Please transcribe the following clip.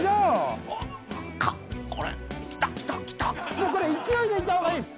もうこれ勢いでいった方がいいです。